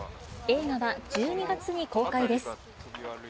映画は１２月に公開です。